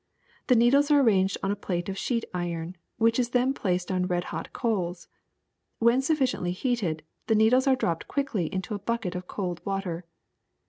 The needles are arranged on a plate of sheet iron, which is then placed on red hot coals. When sufficiently heated, the needles are dropped quickly into a bucket of cold water.